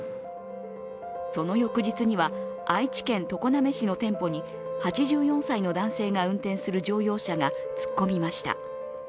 その翌日には、愛知県常滑市の店舗に８４歳の男性が運転する乗用車が突っ込みました。